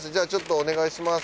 お願いします。